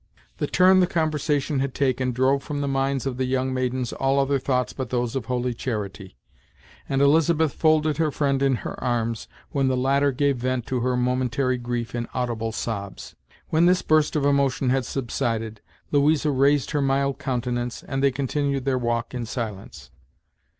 The turn the conversation had taken drove from the minds of the young maidens all other thoughts but those of holy charity; and Elizabeth folded her friend in her arms, when the latter gave vent to her momentary grief in audible sobs. When this burst of emotion had subsided, Louisa raised her mild countenance, and they continued their walk in silence.